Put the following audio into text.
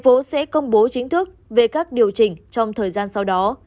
tp hcm sẽ công bố chính thức về các điều chỉnh trong thời gian sau đó